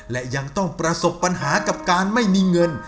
และยังต้องประสบปัญหากับการไม่มีเงิน